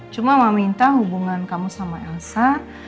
cuma mama minta hubungan kamu sama elsa